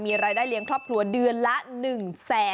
มีรายได้เลี้ยงครอบครัวเดือนละ๑๗๐๐๐๐๐บาท